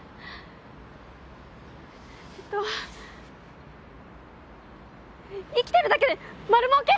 えっと生きてるだけで丸もうけ！